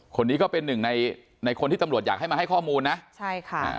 คนนี้ก็เป็นหนึ่งในในคนที่ตำรวจอยากให้มาให้ข้อมูลนะใช่ค่ะ